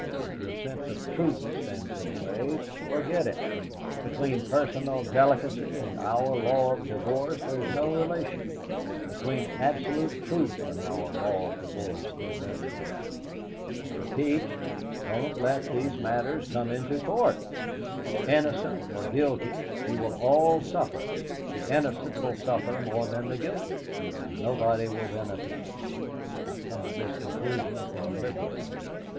If your sense of truth stands in the way, forget it. Between personal delicacy and our law of divorce there is no relation; between absolute truth and our law of divorce there is no relation. I repeat, don't let these matters come into court. Innocent and guilty, you will all suffer; the innocent will suffer more than the guilty, and nobody will benefit. I have come to this conclusion deliberately.